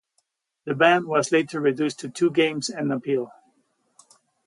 The ban was later reduced to two games on appeal.